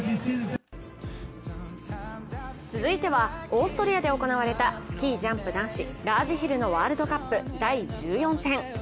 続いてはオーストリアで行われたスキージャンプ男子ラージヒルのワールドカップ第１４戦。